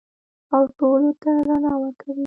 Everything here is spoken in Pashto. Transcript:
او ټولو ته رڼا ورکوي.